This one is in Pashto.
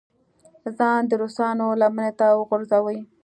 ځان د روسانو لمنې ته وغورځوي.